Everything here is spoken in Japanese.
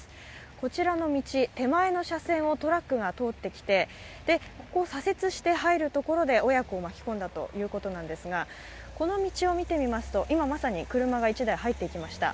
こちらの道、手前の車線をトラックが通ってきて、ここを左折して入るところで親子を巻き込んだということですが、この道を見てみますと、今まさに車が１台、入ってきました。